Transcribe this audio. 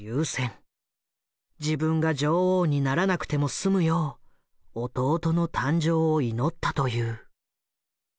自分が女王にならなくても済むよう弟の誕生を祈ったという。